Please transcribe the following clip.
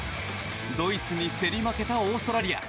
ドイツに競り負けたオーストラリア。